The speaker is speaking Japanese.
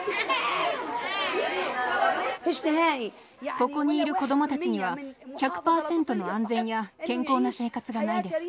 ここにいる子どもたちには、１００％の安全や、健康な生活がないです。